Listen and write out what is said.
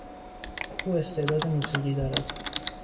او استعداد موسیقی دارد.